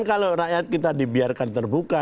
kalau rakyat kita dibiarkan terbuka